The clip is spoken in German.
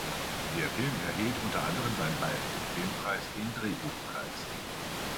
Der Film erhielt unter anderem beim Bayerischen Filmpreis den Drehbuchpreis.